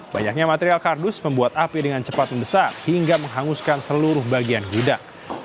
banyaknya material kardus membuat api dengan cepat membesar hingga menghanguskan seluruh bagian gudang